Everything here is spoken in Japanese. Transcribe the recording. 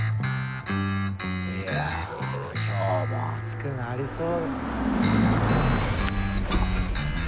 いや今日も暑くなりそう。